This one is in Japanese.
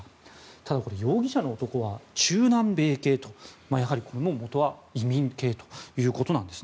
ただ、これは容疑者の男は中南米系ということでもとは移民系ということです。